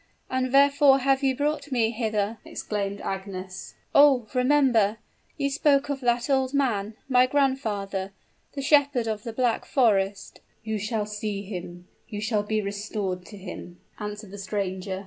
and wherefore have you brought me hither?" exclaimed Agnes. "Oh! remember you spoke of that old man my grandfather the shepherd of the Black Forest " "You shall see him you shall be restored to him," answered the stranger.